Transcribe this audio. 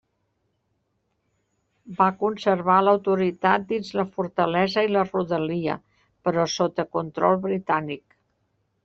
Va conservar l'autoritat dins la fortalesa i la rodalia, però sota control britànic.